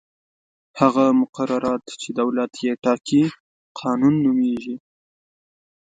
هغه مقررات چې دولت یې ټاکي قانون نومیږي.